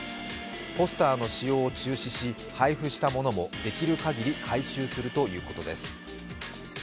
ポスターの使用を中止し配布したものもできるかぎり回収するということです。